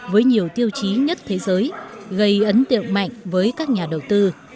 với nhiều tiêu chí nhất thế giới gây ấn tượng mạnh với các nhà đầu tư